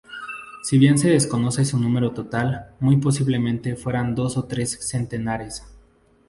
Si bien se desconoce su número total, muy posiblemente fueran dos o tres centenares.